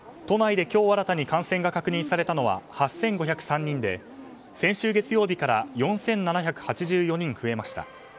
都内で今日新たに感染が確認されたのは８５０３人で先週月曜日から４７８４人増えました。